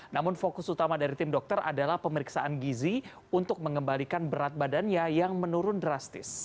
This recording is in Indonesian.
namun fokus utama dari tim dokter adalah pemeriksaan gizi untuk mengembalikan berat badannya yang menurun drastis